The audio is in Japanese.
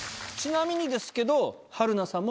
ちなみにですけど。